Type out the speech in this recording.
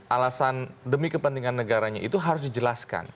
alasan demi kepentingan negaranya itu harus dijelaskan